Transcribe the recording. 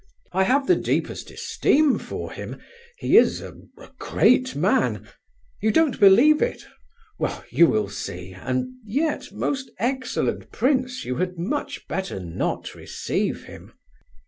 I have the deepest esteem for him, he is a—a great man. You don't believe it? Well, you will see, and yet, most excellent prince, you had much better not receive him."